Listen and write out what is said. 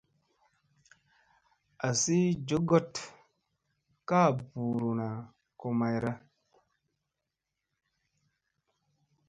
Asi njogoɗ ga ɓuruna ko mayra.